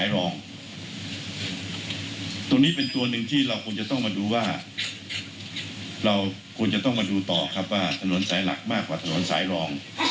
เราต้องมาดูว่าเราควรจะต้องมาดูต่อครับว่าถนนสายหลักมากกว่าถนนสายรอง